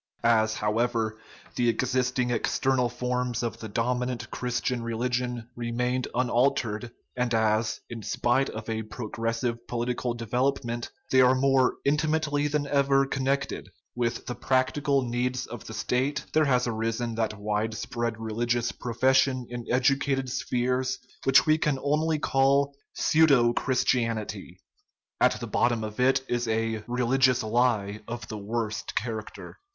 As, however, the existing external forms of the dominant Christian religion remained unaltered, and as, in spite of a progressive political development, they are more intimately than ever connected with the practical needs of the State, there has arisen that wide spread religious profession in educated spheres which we can only call " pseudo Christianity " at the bot tom it is a " religious lie " of the worst character.